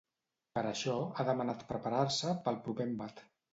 Per això, ha demanat preparar-se ‘pel proper embat’.